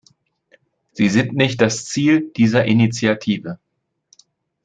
Sie sind nicht das Ziel dieser Initiative.